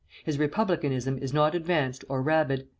His republicanism is not advanced or rabid.